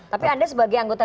tapi anda sebagai anggota